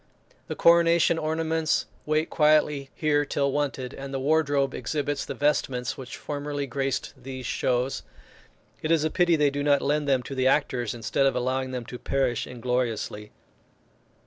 The coronation ornaments wait quietly here till wanted, and the wardrobe exhibits the vestments which formerly graced these shows. It is a pity they do not lend them to the actors, instead of allowing them to perish ingloriously.